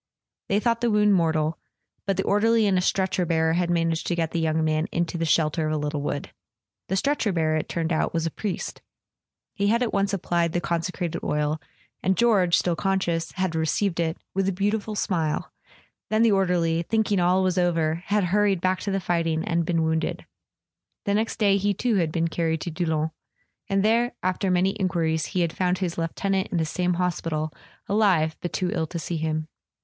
They thought the wound mortal; but the or¬ derly and a stretcher bearer had managed to get the young man into the shelter of a little wood. The stretcher bearer, it turned out, was a priest. He had at once applied the consecrated oil, and George, still conscious, had received it "with a beautiful smile"; then the orderly, thinking all was over, had hurried back to the fighting, and been wounded. The next day he too had been carried to Doullens; and there, after many enquiries, he had found his lieutenant in the same hospital, alive, but too ill to see him.